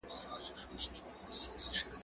کېدای سي چپنه ګنده وي!.